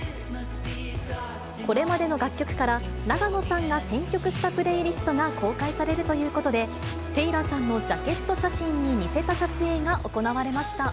これまでの楽曲から、永野さんが選曲したプレイリストが公開されるということで、テイラーさんのジャケット写真に似せた撮影が行われました。